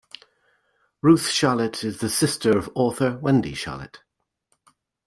Ruth Shalit is the sister of author Wendy Shalit.